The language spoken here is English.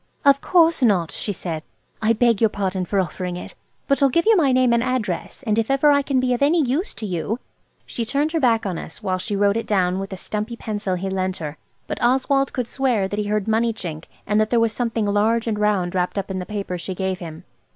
"Of course not," she said; "I beg your pardon for offering it. But I'll give you my name and address, and if ever I can be of any use to you–" She turned her back on us while she wrote it down with a stumpy pencil he lent her; but Oswald could swear that he heard money chink, and that there was something large and round wrapped up in the paper she gave him.